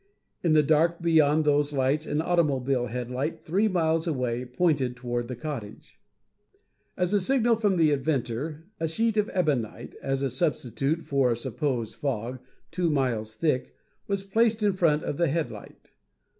In the dark beyond those lights an automobile headlight three miles away pointed toward the cottage. At a signal from the inventor a sheet of ebonite, as a substitute for a supposed fog, two miles thick, was placed in front of the headlight.